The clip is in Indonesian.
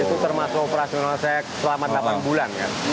itu termasuk operasi yang selama delapan bulan kan